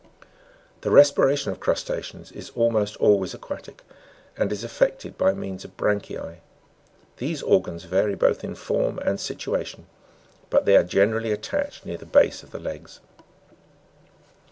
9. The respiration of crusta'ceans is almost always aquatic, and is effected by means of branchiae (br). These organs vary both in form and situation; but they are generally attached near the base of the legs.